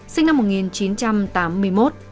sinh năm một nghìn chín trăm tám mươi một